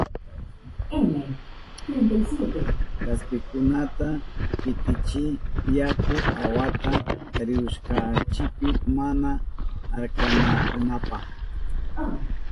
Kaspikunata pitichiy yaku awata rihushkanchipi mana arkanankunapa.